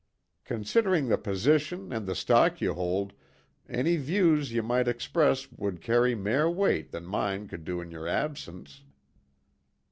Considering the position and the stock ye hold, any views ye might express would carry mair weight than mine could do in your absence."